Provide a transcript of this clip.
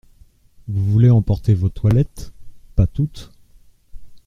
Vous voulez emporter vos toilettes ? Pas toutes.